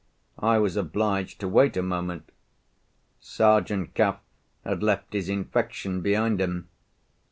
I was obliged to wait a moment. Sergeant Cuff had left his infection behind him.